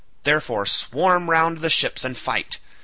Therefore swarm round the ships and fight.